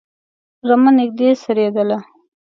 رمه نږدې څرېدله.